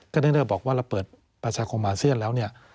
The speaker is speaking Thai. ก็ได้เรียกบอกว่าเราเปิดประชาโครงมาเชี่ยนแล้วเนี่ย